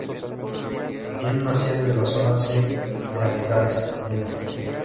Tenía su sede en la Zona "C" de Hangares No.